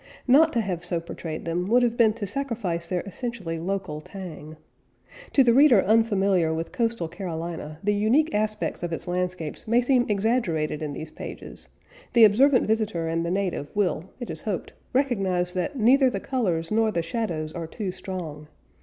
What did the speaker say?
Not to have so portrayed them, would have been to sacrifice their essentially local tang. To the reader unfamiliar with coastal Carolina, the unique aspects of its landscapes may seem exaggerated in these pages; the observant visitor and the native will, it is hoped, recognize that neither the colors nor the shadows are too strong.